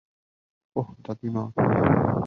ওহ, দাদীমা!